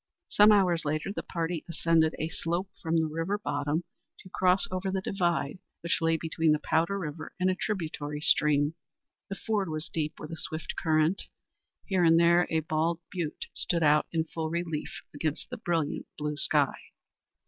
Some hours later, the party ascended a slope from the river bottom to cross over the divide which lay between the Powder River and a tributary stream. The ford was deep, with a swift current. Here and there a bald butte stood out in full relief against the brilliant blue sky.